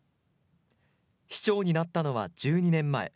市長になったのは１２年前。